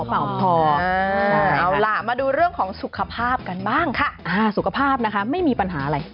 เอาล่ะมาดูเรื่องของสุขภาพกันบ้างค่ะสุขภาพนะคะไม่มีปัญหาอะไร